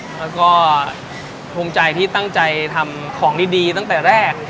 แล้วก็ภูมิใจที่ตั้งใจทำของดีตั้งแต่แรก